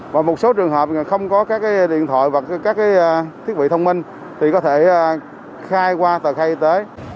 và một số trường hợp không có các điện thoại và các thiết bị thông minh thì có thể khai qua tờ khai y tế